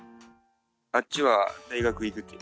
あっちは大学行くって。